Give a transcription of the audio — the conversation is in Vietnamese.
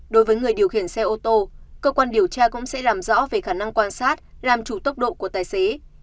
đối với người điều khiển xe ô tô cơ quan điều tra cũng sẽ làm rõ về khả năng quan sát làm chủ tốc độ của tài xế